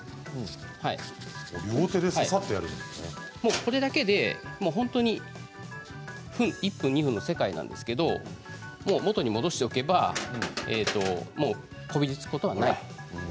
これだけで１分、２分の世界なんですけれど元に戻しておけばもうこびりつくことはない。